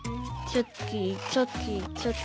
チョキチョキチョキ。